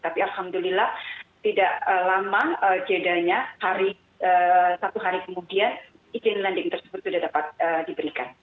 tapi alhamdulillah tidak lama jedanya satu hari kemudian iklim landing tersebut sudah dapat diberikan